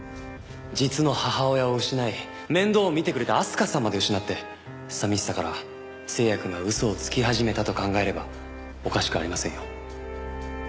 実の母親を失い面倒を見てくれた明日香さんまで失って寂しさから星也くんが嘘をつき始めたと考えればおかしくありませんよ。